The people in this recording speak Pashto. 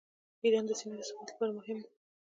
ایران د سیمې د ثبات لپاره مهم دی.